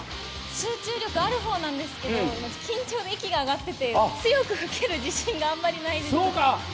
集中力ある方なんですけど、緊張で息が上がってて強く吹ける自信があんまりないです。